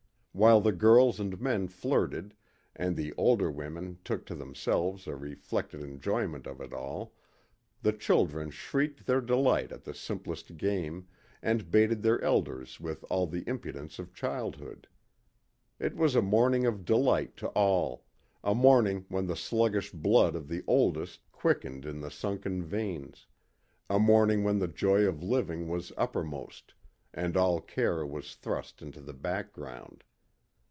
While the girls and men flirted, and the older women took to themselves a reflected enjoyment of it all, the children shrieked their delight at the simplest game, and baited their elders with all the impudence of childhood. It was a morning of delight to all; a morning when the sluggish blood of the oldest quickened in the sunken veins; a morning when the joy of living was uppermost, and all care was thrust into the background.